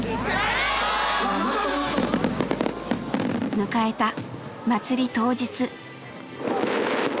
迎えた祭り当日。